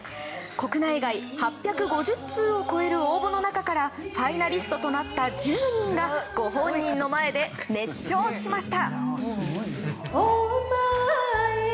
国内外、８５０通を超える応募の中からファイナリストとなった１０人がご本人の前で熱唱しました。